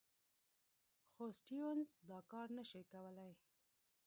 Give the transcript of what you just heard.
خو سټیونز دا کار نه شو کولای.